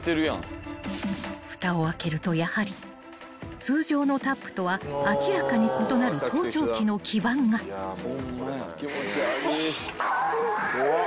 ［ふたを開けるとやはり通常のタップとは明らかに異なる盗聴器の基板が］えっ？